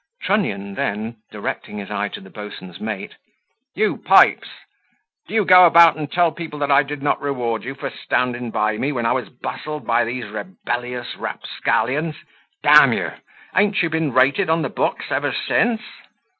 Trunnion then, directing his eye to the boatswain's mate, "You, Pipes," said he, "do you go about and tell people that I did not reward you for standing by me, when I was bustled by these rebellious rapscallions? D you, han't you been rated on the books ever since?"